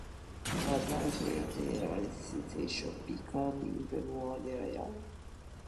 As night fell, their situation became even more dire.